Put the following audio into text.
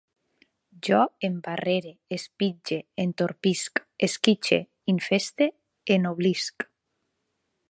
Jo embarrere, espitge, entorpisc, esquitxe, infeste, ennoblisc